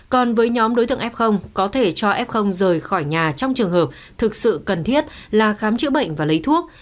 còn với nhóm đối tượng f có thể cho f rời khỏi nhà trong trường hợp thực sự cần thiết là khám chữa bệnh và lấy thuốc